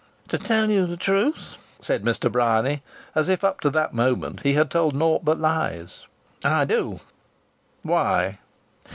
"To tell you the truth," said Mr. Bryany, as if up to that moment he had told naught but lies, "I do." "Why?"